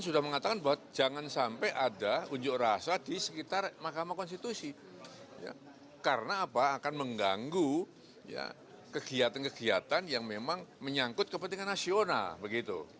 dan sampai ada unjuk rasa di sekitar mahkamah konstitusi karena akan mengganggu kegiatan kegiatan yang memang menyangkut kepentingan nasional